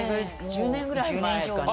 １０年ぐらい前かな。